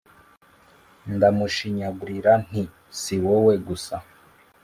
Ndamushinyagurira Nti ; si wowe gusa